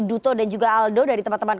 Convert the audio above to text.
duto dan juga aldo dari teman teman